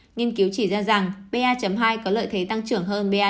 nghiên cứu chỉ ra rằng ba hai có lợi thế tăng trưởng hơn ba một